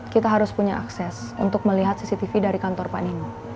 kita harus punya akses untuk melihat cctv dari kantor pak nino